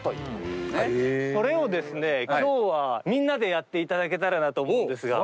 これをですね今日はみんなでやって頂けたらなと思うんですが。